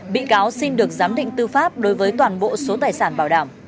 bị cáo xin được giám định tư pháp đối với toàn bộ số tài sản bảo đảm